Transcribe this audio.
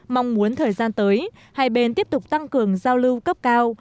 mong muốn thời gian tới hai bên tiếp tục tăng cường giao lưu cấp cao